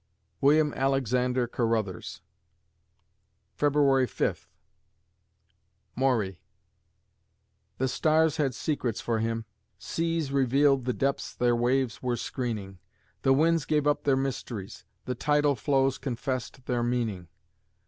WILLIAM ALEXANDER CARRUTHERS February Fifth MAURY The stars had secrets for him; seas Revealed the depths their waves were screening; The winds gave up their mysteries; The tidal flows confessed their meaning.